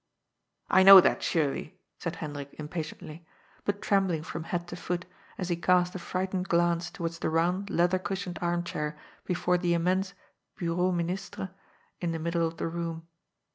"I know that, surely," said Hendrik impatiently, but trembling from head to foot as he cast a frightened glance towards the round leather cushioned armchair before the immense ^' bureau ministre " in the middle of the room.